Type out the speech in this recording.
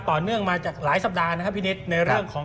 ครอบครัววัวหลวง